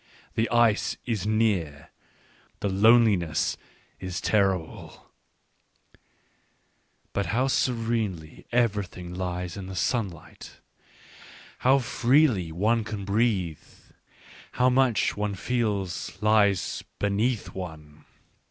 The ice is near, the loneliness is terrible — but how serenely everything lies in the sunshine ! how freely one can breathe ! how much, one feels, lies beneath one!